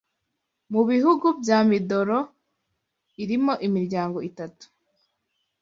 mu bihugu bya Midolo irimo "imiryango itatu